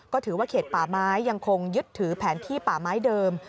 ก็ถือว่าเขตป่าไม้ยังคงยึดถือแผนที่ป่าไม้เดิม